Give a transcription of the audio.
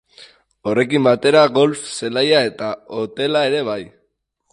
Horrekin batera golf zelaia eta hotela ere bai.